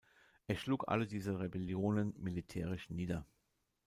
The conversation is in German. Er schlug alle diese Rebellionen militärisch nieder.